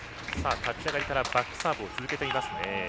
立ち上がりからバックサーブを続けていますね。